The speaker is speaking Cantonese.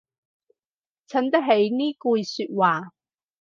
襯得起呢句說話